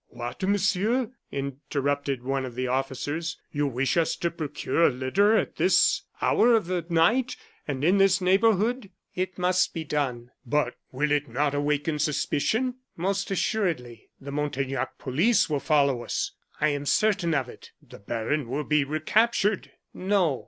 "What, Monsieur," interrupted one of the officers, "you wish us to procure a litter at this hour of the night, and in this neighborhood?" "It must be done." "But, will it not awaken suspicion?" "Most assuredly." "The Montaignac police will follow us." "I am certain of it." "The baron will be recaptured!" "No."